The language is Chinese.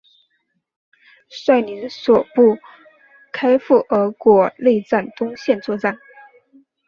率领所部开赴俄国内战东线作战。